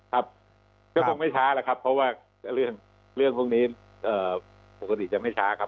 ครับก็คงไม่ช้าแล้วครับเพราะว่าเรื่องพวกนี้ปกติจะไม่ช้าครับ